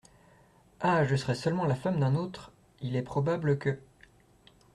Ah ! je serais seulement la femme d’un autre, il est probable que !…